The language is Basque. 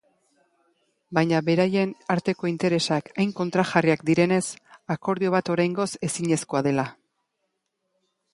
Baina beraien arteko interesak hain kontrajarriak direnez, akordio bat oraingoz ezinezkoa dela.